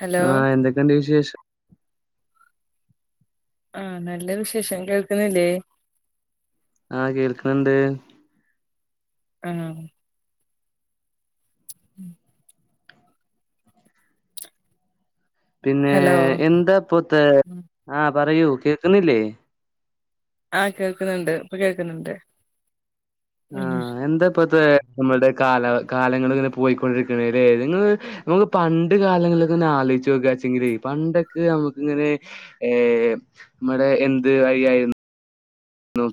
Hello ആഹ് എന്തൊക്കെണ്ട് വിശേഷം? ആഹ് നല്ല വിശേഷം കേൾക്ക്‌ണില്ലേ ആഹ് കേൾക്ണ് ണ്ട് ആഹ് പിന്നെ ഹലോ എന്താ പൊത്തെ ആഹ് പറയൂ കേക്ന്നില്ലേ? ആഹ് കേൾക്ണ് ണ്ട് ഇപ്പ കേക്ന്ന് ണ്ട് ആഹ് എന്താ പത് നമ്മടെ കാല കാലങ്ങള് ഇങ്ങനെ പോയിക്കൊണ്ടിരിക്കാണ് ലെ നിങ്ങള് നമക്ക് പണ്ട് കാലങ്ങള് ങ്ങനെ ആലോ ആലോയ്ചോക്കച്ചെങ്കിലേ പണ്ടൊക്കെ നമ്മക്ക് ഇങ്ങനെ ഏഹ് നമ്മടെ എന്ത് വയ്യായ്ര് ലോ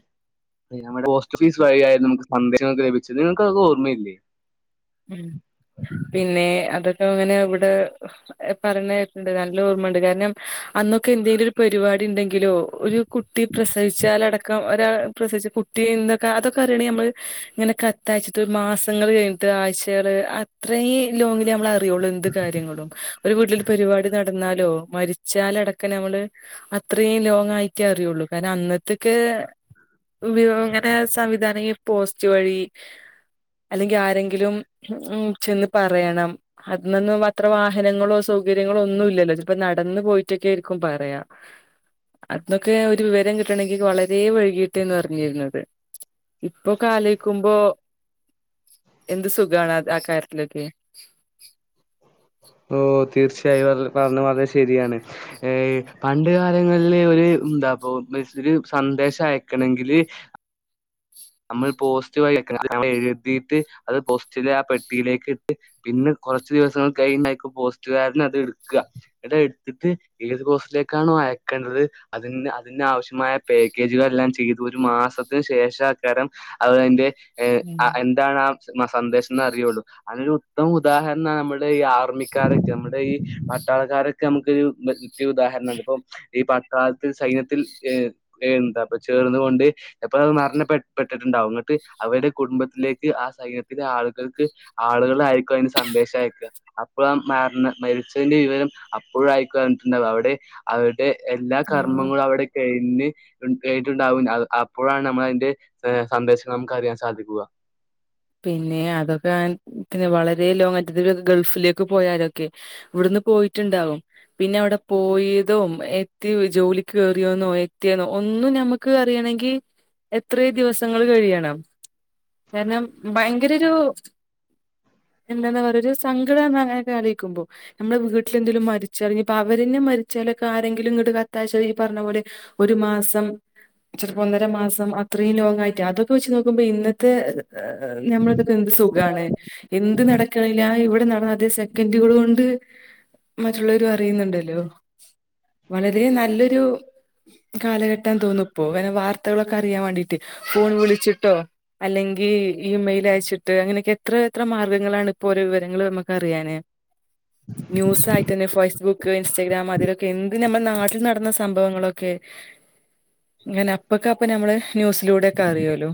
നമ്മടെ പോസ്റ്റ് ഓഫീസ് വഴി ആയിരുന്നു നമ്മക്ക് [unintelligible] നിങ്ങക്ക് അതൊന്നും ഓർമ്മയില്ലേ? ഉം പിന്നെ അതൊ ലോ അങ്ങനെ ഇവടെ പറിണത് കേട്ടിട്ടുണ്ട് നല്ല ഓർമ്മണ്ട് കാരണം അന്നൊക്കെ എന്തെലും ഒരു പരിപാ ണ്ടെങ്കിലോ ഒരുകുട്ടി പ്രസവിച്ചാലടക്കം ഒരാള് പ്രസവിച്ച കുട്ടി അതൊക്കെ അറിണ ഒര് ഇങ്ങനെ കത്തയച്ച്ട്ട് ഒരു മാസങ്ങള് കഴ് ആഴ്ചകള് അത്രേം ലോങ്ങില് നമ്മള് അറിയോള്ളൂ എന്ത് കാര്യങ്ങളും ഒരു വീട്ടിൽ പരിപാടി നട ന്നാലോ മരിച്ചാലടക്കം നമ്മള് അത്രയും ലോങ് ആയിട്ടേ അറിയുള്ളൂ കാരണം അന്നത്തക്കെ വിവര സംവിധാന ഈ പോസ്റ്റ് വഴി അല്ലെങ്കിൽ ങ്കിലുംചെന്ന് പറയണം അതിന്ന അത്ര വാഹനങ്ങളോ സൗകര്യങ്ങളോ ഒന്നുംല്ലല്ലോ പ്പോ നടന്ന പോയിട്ടക്കെ ആയിരിക്കും പറയാ അതിനൊക്കെ ഒരു വിവരം കിട്ടണമെങ്കിൽ വളരെ വഴുകിയിട്ട്ന്ന് അറിഞ്ഞിരുന്നത് ഇപ്പൊ ക്കാലക്കുമ്പോ എന്ത് സുഖമാണ് അ ആ കാര്യത്തിലക്കെ ഓ തീർച്ചയായും പറഞ്ഞ വളരെ ശരിയാണ് ഏ പണ്ട് കാലങ്ങളിൽ ഒരു എന്താ അപ്പ സന്ദേശം അയക്കണമെങ്കില് നമ്മൾ പോസ്റ്റ് വഴിക്കപോയിക്ക എഴുതിട്ട് അത് പോസ്റ്റില ആ പെട്ടിയിലേക്ക് ഇട്ട് പിന്നെ കുറച്ച് ദിവസങ്ങൾ കഴണ്ടായിപ്പോ പോസ്റ്റുകാരന് അത് എടുക്കുക അത് എടുത്തിട്ട് ഏത് പോസ്റ്റിലേക്കാണോ അയക്കേണ്ടത് അതി അതി ആവശ്യമായ പാക്കേജുകളെല്ലാം ചെയ്ത് ഒരു മാസത്തിനന് ശേഷം രം അതിന്റെ ഉം എന്താണ് ആ സന്ദേശം എന്ന അറിയുള്ളൂ അതിനൊരു ഉത്തമ ഉദാഹരണ നമ്മുടെ ഈ ആർമിക്കാര നമ്മുടെ ഈ പട്ടാളക്കാരൊക്കെ നമുക്കൊരുറ്റ ഉദാഹരണ ഇപ്പ ഈ പട്ടാളത്തിൽ സൈന്യത്തിൽ അപ്പൊ ചേർന്നുകൊണ്ട് ഇപ്പൊ അത് മരണപ്പെ പെട്ടിട്ടുണ്ടാവും അങ്ങോട്ട് അവരുടെ കുടുംബത്തിലേക്ക് ആ സൈന്യത്തിലെ ആളുകൾക്ക് ആളുകളായിരിക്കും അതിന് സ ദ്ദേശം അയക്കുക അപ്പോഴ മ മരിച്ചതിന്റെ വിവരം അപ്പോഴും ആയിക്കു അറിഞ്ഞിട്ടുണ്ടാവുക അവിടെ എല്ലാ ആഹ് കർമ്മങ്ങളും അവിടെ കഴിഞ്ഞ് ട്ടുണ്ടാവും അപ്പോഴാണ് നമ്മൾ അതിന്റെ ഏ സന്ദേശം നമുക്ക്റിയാൻ സാധിക്കുക പിന്നെ അതൊക്കെ പിന്നെ വളരെ ലോങ്റ്റത്തി ഗൾഫിലേക്ക് പോയാലൊക്കെ ഇവിടുന്ന് പോയിട്ടുണ്ടാവും പിന്നെ അവിടെ പോയതും എത്തി ജോലിക്ക് കയറിയന്നോ എത്തിയെന്നോ ഒന്നും നമുക്ക് അറിയ ന്തിഎത്ര ദിവസങ്ങൾ കഴിയണം കാരണം ഭയങ്കര ഒരു എന്താണ്പറയ ഒരു സങ്കടം അങ്ങനൊക്കെ അറിയിക്കുമ്പോ നമ്മ വീട്ടിൽന്തെങ്കിലും മരിച്ചറിഞ്ഞപ്പ അവര്ന്നെ മരിച്ച ആരെങ്കിലും ഇങ്ങട്ട കത്താച്ച ഈ പറഞ്ഞ പോലെ ഒരു മാസം ചെലപ്പോ ഒന്നര മാസം അത്രയും ലോങ് ആയിട്ട് അതൊക്കെ വെച്ച് നോക്കുമ്പോ ഇന്നത്തെ നമ്മളതൊക്കെ എന്ത് സുഖാണ് എന്ത് നടക്കണില്ല ഇവിടെ നട അതേ സെക്കൻഡുകൾ കൊണ്ട് മറ്റുള്ളവര അറിയുന്നുണ്ടല്ലോ വളരെ നല്ലൊരു കാലഘട്ടം തോന്നിപ്പോ വനെ വാർത്തകളൊക്കെ അറിയാൻ വേണ്ടീട്ട് ഫോൺ വിളിച്ചിട്ടോ അല്ലെങ്കിൽ ഇമെയിൽ അയച്ചിട്ട് അങ്ങനെയൊക്കെ എത്ര എത്ര മാർഗങ്ങളാണ് ഇപ്പോഓരോ വിവരങ്ങള് നമുക്ക് അറിയാന് ന്യൂസ്യിട്ടന്നെ ഫേസ്ബുക്ക് ഇൻസ്റ്റാഗ്രാം അതിലൊക്കെ എന്ത് നമ്മുടെ നാട്ടിൽ നടന്ന സംഭവങ്ങളൊക്കെ അങ്ങനെ അപ്പക്കെ അപ്പൊ നമ്മള് ന്യൂസിലൂടെക്കെ അറിയല്ലോ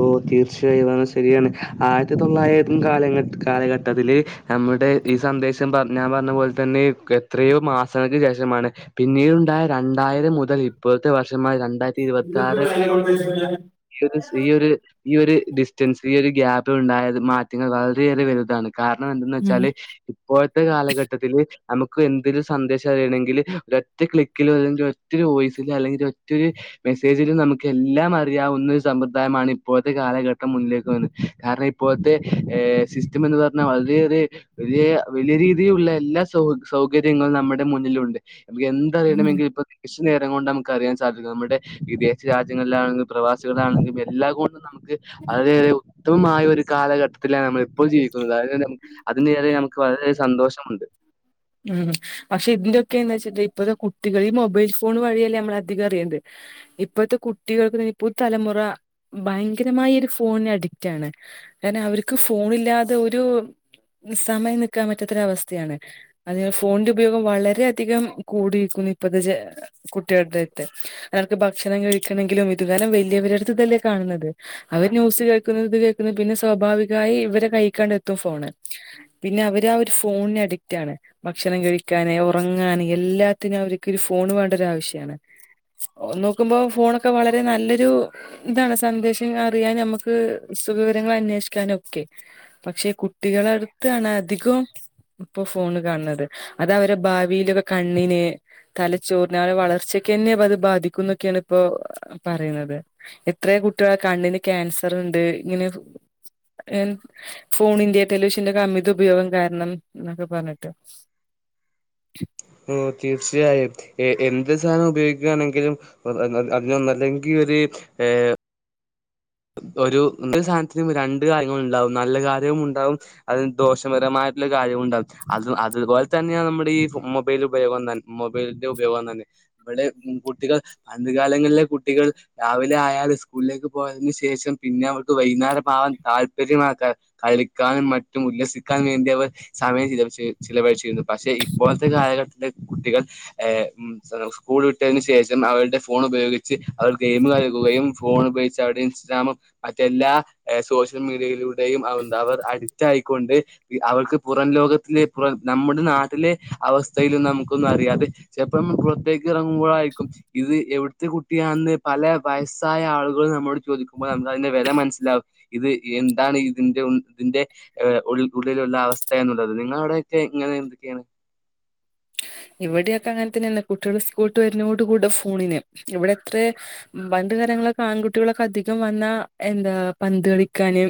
ഓ തീർച്ചയായും അത്ശരിയാണ് ആയിരത്തി തൊള്ളായിരത്തി കാല കാലഘട്ടത്തില്ൽ നമ്മുടെ ഈ സന്ദേശം ഞാൻ പറഞ്ഞ പോലെ തന്നെ എത്രയോ മാസങ്ങൾക്ക് ശേഷമാണ് പിന്നീട്ണ്ടായ ര രണ്ടായിരം മുതൽ ഇപ്പോഴത്തെ വർഷമായി രണ്ടായിരത്തി ഇരുപത്തി ആറ് വരെയുള്ള ഈ ഒരു ഈ ഒരു ഈ ഒരു ഡിസ്റ്റൻസ് ഈ ഒരു ഗ്യാപ് ഉണ്ടായത് മാറ്റങ്ങൾ വളരെയേറെ വലുതാണ് കാരണം എന്തെന്ന് ഉം വെച്ചാല് ഇപ്പോഴത്തെ കാലഘട്ടത്തില് നമുക്ക് എന്തൊരു സന്ദേശം അറിയണെങ്കിൽ ഒ ഒറ്റ ക്ലിക്കിലോ അല്ലെങ്കിൽ ഒറ്റരു വോയിസിലോ അല്ലെങ്കിൽ ഒറ്റരു മെസ്സേജിൽ നമുക്ക് എല്ലാം അറിയാവുന്ന സമ്പ്രദായമാണ് ഇപ്പോഴത്തെ കാലഘട്ടം മുന്നിലേക്ക് വന്നു കാരണം ഇപ്പോഴത്തെഹ്സി സ്റ്റംന്ന് പറഞ്ഞാൽ വളരെയേ വലിയ വലിയ രീതിയിലുള്ള എല്ലാ സൗ സൗകര്യങ്ങളും നമ്മുടെ മുന്നിലുണ്ട് നമ്മ എന്ത ഉം അറിയണമെങ്കിൽ ഇ നേരം കൊണ്ട് നമുക്ക് അറിയാൻാധിക്കും നമ്മുടെ വിദേശ രാജ്യങ്ങളിലാണെങ്കില പ്രവാസികളാണെങ്കില എല്ല നമുക്ക് വളരെയേറെ ഉത്തമമായ ഒരു കാലഘട്ടം ത്തില നമ്മളിപ്പോൾ ജീവിക്കുന്നത് അഹ് അതിന്‌ നേരെ നമുക്ക് വളരെ സന്തോഷമുണ്ട്. ഉം പക്ഷെ ഇതിന്റെക്കെ എന്താച്ചിട്ട ഇപ്പത്തെ കുട്ടികൾ ഈ മൊബൈൽ ഫോൺ വഴിയല്ലേ നമ്മള അധികം അറിയേണ്ട് ഇപ്പോഴത്തെ കുട്ടികൾക്ക് തന്നെ ഇപ്പോ തലമുറ ഭയങ്കരമായി ഒരു ഫോണിന് അഡിക്റ്റണ്. കാരണം അവർക്ക് ഫോണില്ലാതെ ഒരു സമയം നിക്കാൻ പറ്റാത്ത ഒരു അവസ്ഥയാണ്. അതിന് ഫോണിന്റെ ഉപയോഗം വളരെ അധികം കൂടിയിരിക്കുന്നു ഇപ്പത്തെ കുട്ടികളുടെരുത്ത്. ഭക്ഷണം കഴിക്കണെങ്കിലും ഇതു കാരണം വലിയരുടെ അടുത്ത് തല്ലേ കാണുന്നത് അവർ ന്യൂസ് കേൾക്കുന്നത് കേൾക്കുന്ന പിന്നെ സ്വാഭാവികമായി ഇവരെ കയിക്കാണ്ട് എത്തും ഫോണ് പിന്നെ അവര് ആഹ് ഒരു ഫോണിന് അഡിക്റ്റ് ആണ്. ഭക്ഷണം കഴിക്കാന് ഉറങ്ങാന് എല്ലാത്തിനും അവർക്ക് ഫോണ് വേണ്ട ഒരു ആവശ്യമാണ്. ഒനോക്കുമ്പോ ഫോണൊക്കെ വളരെ നല്ലൊരു ഇതാണ് സന്ദേശം അറിയാൻ നമ്മുക്ക്. സുഖവിരങ്ങൾ അന്വേഷിക്കാനൊക്കെ പക്ഷെ കുട്ടികള അടുത്താണ് അധികം. ഇപ്പോ ഫോണ്. കാണ്ന്നത് അത് അവരുടെ ഭാവിയിലൊക്കെ കണ്ണിനെ തലച്ചോറിനെ അവര വളർച്ചക്കെന്നെത് ബാധിക്കും. ന്നൊക്കെയാണ് ഇപ്പോ പറയുന്നത് എത്ര കുട്ടികൾ കണ്ണിന് ക്യാൻസർ ഉണ്ട് ഇങ്ങനെ. ഫോണിന്റെ ടെലിവിഷന്റെ അമിത ഉപയോഗം കാരണം എന്നൊക്കെ പറഞ്ഞിട്ട്. ട്ട് ഓ തീർച്ചയായും ഏ എന്ത് സാധനം ഉപയോഗിക്കുകയാണെങ്കിലും അതിനൊന്നല്ലെങ്കിൽ ഒരു ഏഹ് ഒരു സാധനത്തിനും രണ്ട് കാര്യങ്ങള്ണ്ടാവും നല്ല കര്യവും ഉണ്ടാവും അതിന് ദോഷപരമായിട്ടുള്ള കാര്യവു അത് അതുപോലെ തന്നെ. നമ്മുടെ ഈ മൊബൈൽ ഉപയോഗം മൊബൈലിന്റെ ഉപയോഗം തന്നെ ഇവിടെ കുട്ടികൾ [unintelligible] ലങ്ങളിലെ കുട്ടികൾ രാവിലെ ആയാല് സ്കൂളിലേക്ക് പോയതിന് ശേ ശേഷം പിന്നെ അവർക്ക് വൈകുന്നേരമാവാൻ താല്പര്യമാ കളിക്കാനും മറ്റും ഉല്ലസിക്കാും വേണ്ടിയവർ. സമയം ചിലവഴിച്ചിരുന്നു പക്ഷെ ഇപ്പോഴത്തെ കാലഘട്ടത്തെ കുട്ടികൾ. സ്കൂൾ വിട്ടതിന് ശേഷം അവരുടെ ഫോൺ ഉപയോഗിച്ച് അവർ ഗെയിം കളിക്കുകയും ഫോൺ ഉപയോഗിച്ചാട്ട് ഇൻസ്റ്റഗ്രാമും മറ്റെല്ലാ ഏഹ് സോഷ്യൽ മീഡിയയിലുൾ [unintelligible] അവർ അടിറ്റായി. കൊണ്ട് അവൾക്ക് പുറം ലോകത്തിലെ പുറം നമ്മുടെ നാട്ടിലെ അവസ്ഥയിലന്നും നമുക്കൊന്നും അറിയാതെ. ചിലപ്പം പ്രത്യേക ഇറങ്ങുമ്പോഴായിരിക്കും ഇത് എവിടുത്തെ കുട്ടിയാണെന്ന് പല വയസ്സായ ആളുകൾ നമ്മോട് ചോദിക്കും. അതിന്റെ വില മനസ്സിലാവും ഇത് എന്താണ് ഇതിന്റെ ഇന്റെ ഉള്ളിലുള്ള അവ അവസ്ഥനുള്ളത് നിങ്ങള അവിടെക്കെ ഇങ്ങനെ എന്തൊക്കെയാണ്. ഇവിടെക്കെ അങ്ങനെ തന്നെ കുട്ടികൾ സ്കൂൾട്ട് വരുന്നോട് കൂടെ ഫോണിന് ഇവിടെ എത്ര ആൺകുട്ടികളൊക്കെ അധികം വന്ന എന്താ പന്ത് കളിക്കാന്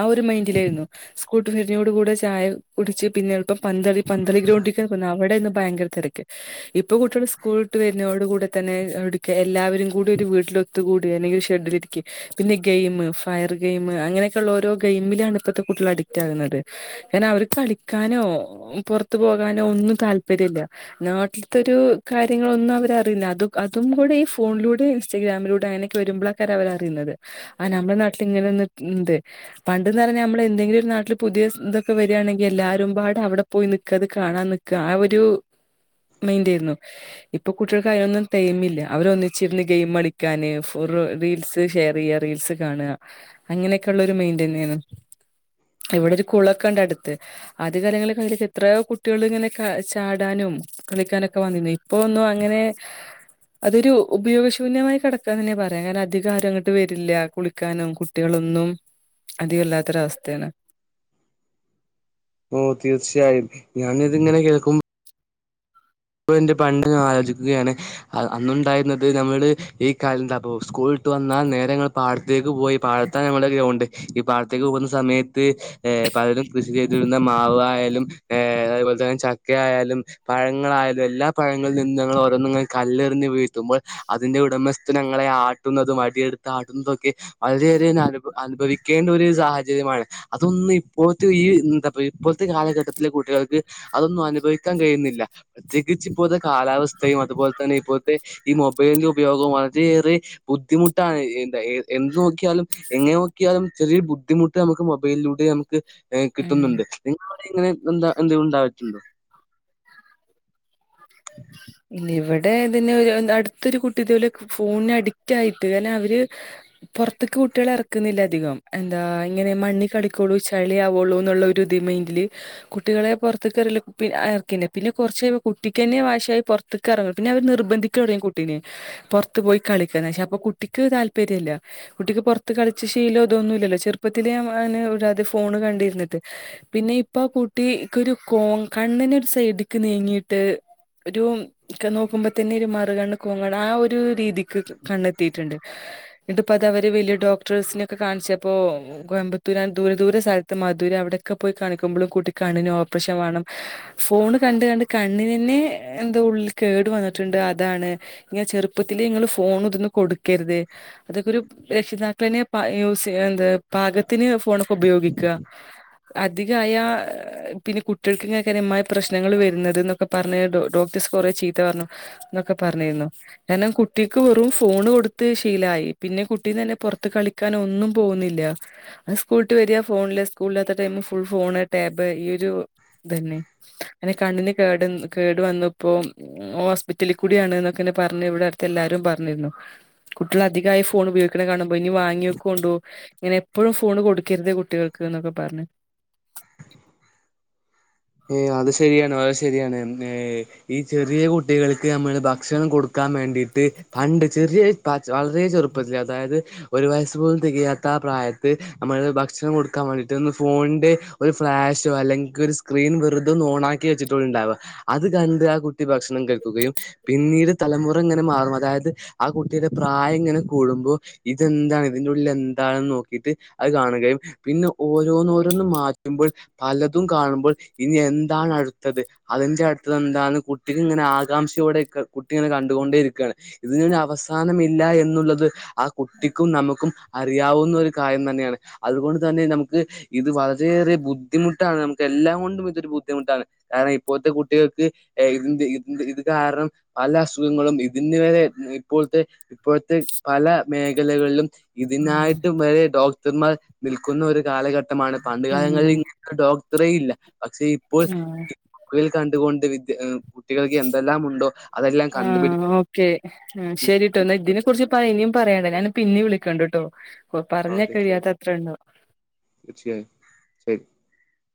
ആ ഒരു മൈൻഡില സ്കൂൾട്ട് വരുന്നത് ഓട് കൂടെ ചായ കുടിച്ച് പിന്നെ പന്തളി പന്തളി ഗ്രൗണ്ടിൽ അവടെ ഇന്ന് ഭയങ്കര തിരക്ക് ഇപ്പ കുട്ടികൾ സ്കൂൾ വിട്ട് വരുന്നോ കൂടെ തന്നെ ഇടക എല്ലാവരും കൂടി ഒരു വീട്ടിൽ ഒത്തുകൂടി അല്ലങ്കിൽ ഷെഡിലിരിക്കെ പിന്നെ ഗെയിം ഫയർ ഗെയിം അങ്ങനൊക്കെയുള്ള ഓരോെഗ യി ഗയിമിൽലാണ് ഇപ്പഴത്തെ കുട്ടികൾ അഡിക്റ്റ് ആകുന്നത് കാരണം അവർക്ക് കളിക്കാനോ പുറത്തു പോ ഒന്നും താല്പര്യമല്ല നാട്ടിലത്തെരു കാര്യങ്ങളൊന്നും അവരറിയില്ല അ അതും കൂടെഈ ഫോണിലൂടെ ഇൻസ്റ്റാഗ്രാമിലൂടെ അങ്ങനെയൊക്കെ വരുമ്പോൾ ആക്കാര് അവർ അറിയുന്നത് ആ നമ്മുടെ നാട്ടിൽ ഇങ്ങനെ ഒന്ന്ണ്ട് പണ്ട്ന്ന് പറഞ്ഞാൽ നമ്മള് എന്തെങ്കിലും ഒരു നാട്ടില് പുതിയ ഇതൊക്കെ വരികയാണെങ്കിൽ എല്ലാരും പാടെ അവിടെ പോയി നിൽക്ക കാണാൻ നിക്ക ആ ഒരു മൈ മൈൻടയിരുന്നു ഇപ്പൊ കുട്ടികൾക്ക് അതിനൊന്നും ടൈംമില്ല അവര് ഒന്നിച്ചിരുന്ന് ഗെയിം കളിക്കാന് റീൽസ് ഷെയർ ചെയ്യ റീൽസ് കാണ അങ്ങനൊക്കെള്ള ഒരു മന്റന്നെയാണ് ഇവിടെ ഒരു കുളൊക്കെ ഉണ്ട് അടുത്ത് ആദ്യ കാലങ്ങളിൽ അതിൽ എത്രയോ കു കുട്ടികൾ ഇങ്ങനെ ചാടാനും കളിക്കാനൊക്കെ വന്നിന്നു ഇപ്പൊ ഒന്നും അങ്ങനെ അതൊരു ഉപയോഗശൂന്യമായി കിടക്കാൻ തന്നെയാ പറയാം അങ്ങനെ അധികം ആരും അങ്ങോട്ട് വരില്ല കുളിക്കാനും കുട്ടികളൊന്നും അത് വല്ലാത്തൊരവസ്ഥയാണ് ഓ തീർച്ചയായും ഞാനിതിങ്ങനെ കേൾക്കു ഇപ്പൊ ന്റെ പണ്ട് ആലോചിക്കുകയാണ് അന്നുണ്ടായിരുന്നത് നമ്മള് ഈ കാല അപ്പോ സ്കൂൾ വന്നാൽ നേരങ്ങൾ പാത്ത പോയി പാഴത്ത നമ്മ ഗ്രൗണ്ട് ഈ പാടത്തേക്ക് പോകുന്ന സമയത്ത് പലരും കൃഷി ചെയ് മാവായയാലും അപോലെന്നെ ചക്ക ആയാലും പഴങ്ങളായാലും എല്ലാ പഴങ്ങളിൽ നിന്ന ഞങ്ങൾ ഓരന്നങ്ങൾ കല്ലെറിഞ് വീഴത്തുമ്പോൾ അതിന്റെ ഉടമസ്ഥ ങ്ങളെ ആട്ടുന്നതും മടിയടുത്ത്ടുന്നതൊക്കെ വളരെയേറെ അനുഭവിക്കേണ്ട ഒരു സാഹചര്യമാണ് അതൊന്ന് ഇപ്പോഴത്തെ ഈ എന്താ ഇപ്പോഴത്തെ കാലഘട്ടത്തിലെ കുട്ടികൾക്ക് അതൊന്നും അനുഭവിക്കാൻ കഴിയുന്നില്ല. പ്രത്യേകിച്ച് ഇപ്പോഴത്തെ കാലാവസ്ഥയും അതുപോലെ തന്നെ ഇപ്പോഴത്തെ ഈ മൊബൈലിന്റെ ഉപയോഗം വളരെയേറെ ബുദ്ധിമുട്ടാണ് എ എന്ത് നോക്കിയാലും എങ്ങനെ നോക്കിയാലും ചെറിയരു ബുദ്ധിമുട്ട നമുക്ക് മൊബൈലിലൂടെ നമുക്ക് ഉം കിട്ടുന്നുണ്ട് നിങ്ങവിടെ ഇങ്ങനെ എന്താ എന്ത ഉണ്ടട്ടുണ്ടോ [unintelligible] ന്നെ ഇവിടെതന്നെ അടുത്തൊരു കുട്ടി ഇതേപോലെ ഫോണി അഡിക്റ്റ് ആയിട്ട് കാരണം അവര് പുറത്തൊക്ക് കുട്ടികൾ ഇറക്കുന്നില്ല അധികം എന്താ ഇങ്ങനെ മണ്ണി കളിക്കോളൂ ചളി ആവുള്ളൂ എന്നുള്ള ഒരു മൈന്റില് കുട്ടികളെ പുറത്ത കറക്കെ പിന്നെ കുറച്ച കുട്ടിക്ക് തന്നെ വാശ ആയി പുറത്തേക്ക് ഇറങ്ങും പിന്നെ അവർ നിർബന്ധിക്ക തുടങ്ങും കുട്ടീനെ പുറത്ത് പോയി കളിക്കെ അപ്പൊ കുട്ടി കുട്ടിക്ക് താല്പര്യമല്ല കുട്ടിക്ക് പുറത്ത് കളിച്ച ശീലം അതൊന്നുമല്ലോ ചെറുപ്പത്തിലെ ഫോണ് വണ്ടിരുന്നിട്ട് പിന്നെ ഇപ്പൊ ആ കൂട്ടി ഒരു കോ കണ്ണിന ഒരു സൈഡക്ക് നങ്ങിട്ട് അ ഒരു നോക്കുമ്പോ തന്നെ ഒരു മറുകണ്ണ് കോങ്ങണ് ആ ഒരു രീതിക്ക് കണ്ണെത്തിയിട്ടുണ്ട്. ഇപ്പ അത് അവര് വലിയ ഡോക്ടേഴ്സിനൊക്കെ കാണിച്ച അപ്പ കോയമ്പത്തൂര ദൂരെ ദൂര സ്ഥലത്ത് മധുര അവിടെയൊക്കെ പോയി കളിക്കുമ്പോഴും കൂട്ടിക്ക് കണ്ണിന് ഓപ്പറേഷൻ വേണം ഫോൺ കണ്ട കണ്ട് കണ്ണിന തന്നെ എന്താ ഉള്ളിൽ കേട് വന്നിട്ടുണ്ട് അതാണ് ഇങ്ങെ ചെറുപ്പത്തില് നിങ്ങള് ഫോൺ കൊടുക്കരുത് അതൊക്കെ രക്ഷിതാക്കളന്നെ പാകത്തിന് ഫോണെ ഉപ ഉപയോഗിക്ക അധികായ പിന്നെ കുട്ടികൾക്ക് ഇങ്ങമായ പ്രശ്നങ്ങൾ വരുന്നത് ക്കെ പറ ഡോക്ടസ് കൊറ ചീത്ത പറഞ്ഞു പറഞ്ഞിരുന്നു കാരണം കുട്ടിക്ക് വെറും ഫോണ് കൊടുത്തു ശീലായി പിന്നെ കുട്ടി പുറത്ത് കളിക്കാൻ ഒന്നും പോകുന്നില്ല ഫോണിലെ സ്കൂളിൽ തന്നെ ഭൂൾ ഫോൺ ടാബ് ഈ ഒരു തന്നെ കേട് കേടു വന്ന ഇപ്പോൾ ഹോസ്പിറ്റലിൽ കൂടിയാണ് എന്നൊക്കെ എന്നന്നെ പറഞ്ഞ് ഇവിടെ അടുത്ത് എല്ലാരും പറഞ്ഞിരുന്നു. കുട്ടികൾ അധികമായി ഫോൺ ഉപയോഗിക്കണ കാണുമ്പോൾ ഇനി വങ്ങി വോക്ക കൊണ്ടുപോ ഇങ്ങനെ എപ്പോഴും ഫോണ് കൊടുക്കരുത്. കുട്ടികൾക്ക് എന്നൊക്കെ പറഞ്ഞ് ഏ അത് ശരിയാണ് അത് ശരിയാണ് ഏ ഈ ചെറിയ കുട്ടികൾക്ക് നമ്മള് ഭക്ഷണം കൊടുക്കാൻ വേണ്ടി പണ്ട് ചെറിയ വളരെ ചെറുപ്പത്തിൽ അതായത് ഒരു വയസ്സ് പോലും തികയാത്ത ആ പ്രായത്തിൽ നമ്മള് ഭക്ഷണം കൊടുക്കാൻ വേണ്ടിട്ടന്ന് ഫോണിന്റെ ഒരു ഫ്ലാഷോ അല്ലെങ്കിൽ ഒരു സ്ക്രീൻ വെറുതൊ ഓണാക്കി വെച്ചിട്ട ഉണ്ടാവുക അത് കണ്ട് ആ കുട്ടി ഭക്ഷണം കഴിക്കുകയും പിന്നീട് തലമുറ ഇങ്ങനെ മാറും അതായത് ആ കുട്ടിയുടെ പ്രായം ഇങ്ങനെ കൂടുമ്പോൾ ഇതെന്താണ് ഇതിന്റെ ഉള്ളിൽ എന്താണ് നോക്കിട്ട് അത് കാണുകയും പിന്നെ ഓരോന്നോരോന്നും മാറ്റുമ്പോൾ പലതും കാണുമ്പോൾ ഇനി എന്താണ് അടുത്തത് അതിന്റെ അടുത്ത എന്താണ് കുട്ടിക ഇങ്ങനെ ആകാംക്ഷയോടെ കുട്ടിങ്ങനെ കണ്ടുകൊണ്ടേ ഇരിക്കുകയാണ്. ഇതിനൊരു അവസാനമില്ല എന്നുള്ളത് ആ കുട്ടിക്കും നമുക്കും അറിയാവുന്ന ഒരു കാര്യം തന്നെയാണ് അതുകൊണ്ട് തന്നെ നമുക്ക് ഇത് വളരെയേറെ ബുദ്ധിമുട്ടാണ് നമുക്ക് എല്ലാം കൊണ്ട് ഇതരു ബുദ്ധിമുട്ടാണ് കാരണം ഇപ്പോഴത്തെ കുട്ടികൾക്ക്തി ഇത് കാരണം പല അസുഖങ്ങ [unintelligible] ഇതിന് വരെ ഇപ്പോഴത്തെ ഇപ്പോഴത്തെ പല മേഖലകളിലും ആഹ് ഇതിനായിട്ടും വരെ ഡോക്ടർമാർ നിൽക്കുന്ന ഒരു കാലഘട്ടമാണ് പണ്ട് ഉം കാലങ്ങളിൽ ഇങ്ങ ഇത്രയില്ല പക്ഷെ ഇപ്പോ ആഹ് കണ്ടുകൊണ്ട് വിദ്യ കുട്ടികൾക്ക് എന്തെല്ലാം ഉണ്ടോ അതെല്ലാം ആ കണ്ടുപിടി ഓക്കേ ശരിട്ടോന്നാ ഇതിനെ കുറിച്ച് പറനി പറയണ്ട ഞാൻ പിന്നെ വിളിക്കണ്ടണ്ട് കേട്ടോ കൊ ആഹ് പറഞ്ഞാ തീർച്ചയായും കഴിയാത്ത അത്ര ഉണ്ടോ? തീർച്ചയായും ശരി.